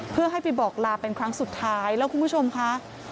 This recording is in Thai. เพื่อให้ไปบอกลาเป็นครั้งสุดท้ายแล้วคุณผู้ชมค่ะ